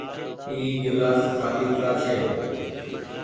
اي گلآس کآلي ڪآ ڇي ۔